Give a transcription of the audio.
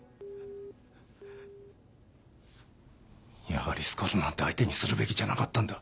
やはりスカルなんて相手にするべきじゃなかったんだ。